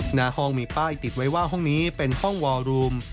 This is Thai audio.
หน้าห้องมีป้ายติดไว้ว่าห้องนี้เป็นห้องวอรูม